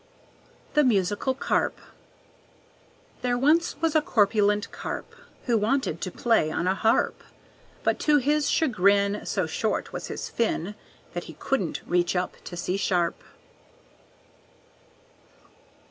The Musical Carp There once was a corpulent carp Who wanted to play on a harp, But to his chagrin So short was his fin That he couldn't reach up to C sharp.